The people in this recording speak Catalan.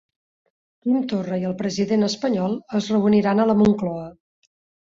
Quim Torra i el president espanyol es reuniran a la Moncloa